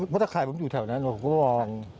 เพราะถ้าขายผมอยู่แถวนั้นผมก็มอง